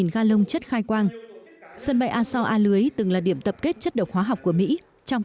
ga lông chất khai quang sân bay aso a lưới từng là điểm tập kết chất độc hóa học của mỹ trong